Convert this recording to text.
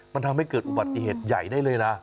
มันทำให้เกิดอุบัติเหตุใหญ่ได้เลยนะ